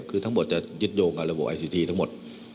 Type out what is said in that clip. คือทั้งหมดจะยึดโยงเรื่องระบบไอทีกรัฐมนตรีทั้งหมด